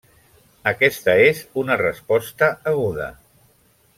Aquesta és una resposta aguda.